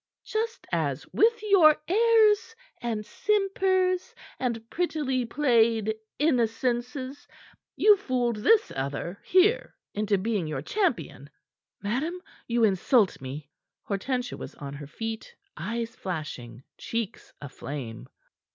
Just as with your airs and simpers, and prettily played innocences you fooled this other, here, into being your champion." "Madam, you insult me!" Hortensia was on her feet, eyes flashing, cheeks aflame.